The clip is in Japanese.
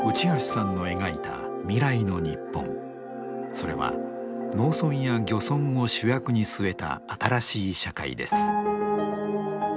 それは農村や漁村を主役に据えた新しい社会です。